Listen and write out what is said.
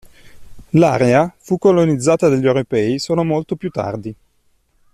L'area fu colonizzata dagli europei solo molto più tardi.